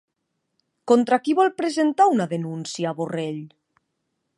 Contra qui vol presentar una denúncia Borrell?